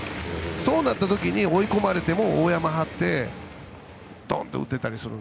そうなった時に追い込まれても大ヤマを張って打てたりする。